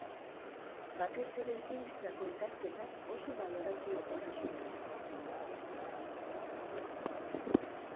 Batez ere zientzietako ikasketak oso balorazio zuten.